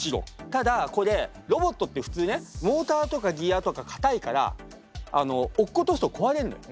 ただこれロボットって普通ねモーターとかギアとか硬いからあの落っことすと壊れんのよ。